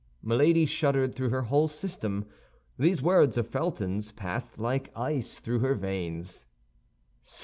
Milady shuddered through her whole system. These words of Felton's passed like ice through her veins.